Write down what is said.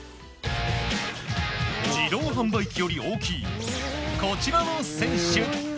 自動販売機より大きいこちらの選手。